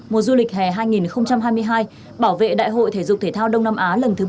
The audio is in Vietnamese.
mùa du lịch hè hai nghìn hai mươi hai bảo vệ đại hội thể dục thể thao đông nam á lần thứ một mươi